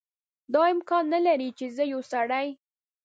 دا امکان نه لري چې زه یو سړی.